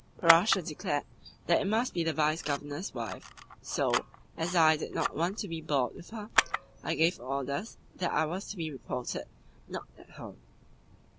Parasha declared that it must be the Vice Governor's wife, so, as I did not want to be bored with her, I gave orders that I was to be reported 'not at home.